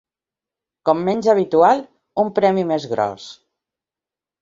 Com menys habitual, un premi més gros.